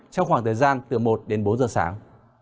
trong khoảng thời gian từ một đến bốn giờ sáng